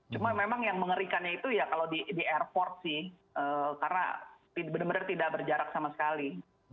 cuma memang yang mengerikannya itu ya kalau di airport sih karena benar benar tidak berjarak sama sekali